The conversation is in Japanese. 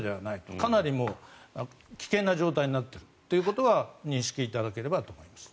かなり危険な状態になっていることは認識いただければと思います。